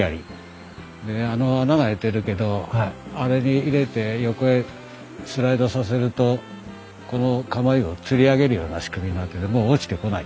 でねあの穴が開いてるけどあれに入れて横へスライドさせるとこのかもいをつり上げるような仕組みになっててもう落ちてこない。